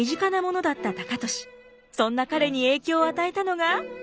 そんな彼に影響を与えたのが。